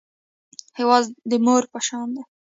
هېواد د مور په شان دی